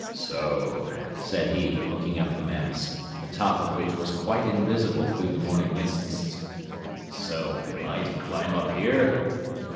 "So," said he, looking up the mast, the top of which was quite invisible through the morning mists; "so, am I to climb up here?"